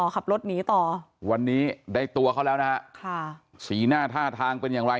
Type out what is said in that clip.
ขับรถหนีต่อวันนี้ได้ตัวเขาแล้วนะฮะค่ะสีหน้าท่าทางเป็นอย่างไร